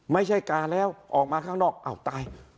ไม่ใช่กาแล้วออกมาข้างนอกอ้าวตาย